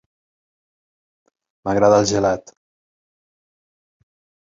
M'agrada el gelat.